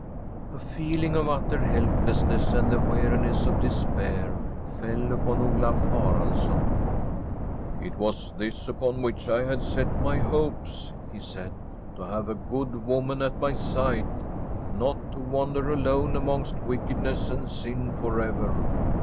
A feeling of utter helplessness and the weari ness of despair fell upon Olaf Haraldsson. * It was this upon which I had set my hopes,' he said —' to have a good woman at my side, not to wander alone amongst wickedness and sin for ever.